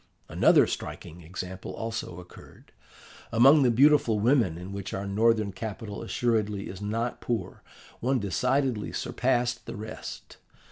"Another striking example also occurred. Among the beautiful women in which our northern capital assuredly is not poor, one decidedly surpassed the rest.